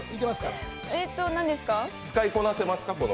使いこなせますか？